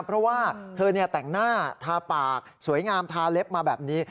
เพราะว่าเธอแต่งหน้าทาปากสวยงามทาเล็บมาแบบนี้